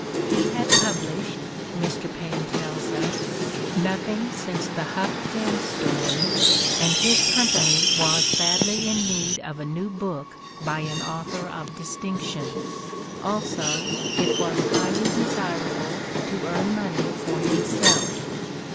"He had published," Mr. Paine tells us, "nothing since the 'Huck Finn' story, and his company was badly in need of a new book by an author of distinction. Also, it was highly desirable to earn money for himself."